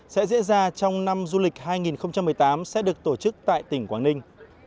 sẽ diễn ra trong năm du lịch hai nghìn một mươi tám sẽ được tổ chức tại tỉnh quảng ninh